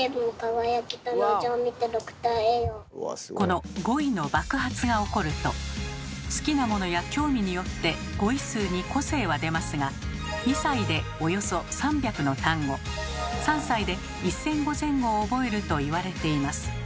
この語彙の爆発が起こると好きなものや興味によって語彙数に個性は出ますが２歳でおよそ３００の単語３歳で１，０００語前後を覚えると言われています。